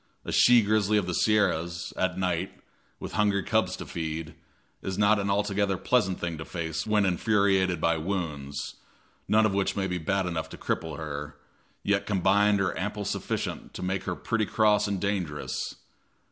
A she grizzly of the Sierras, at night, with hungry cubs to feed, is not an altogether pleasant thing to face when infuriated by wounds, none of which may be bad enough to cripple her, yet combined are amply sufficient to make her pretty cross and dangerous.